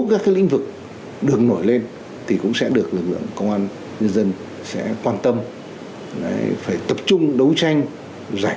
các lĩnh vực được nổi lên thì cũng sẽ được công an dân dân sẽ quan tâm phải tập trung đấu tranh giải